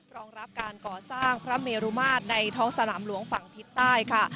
รองรับการก่อสร้างพระเมรุมาตรในท้องสนามหลวงฝั่งทิศใต้ค่ะ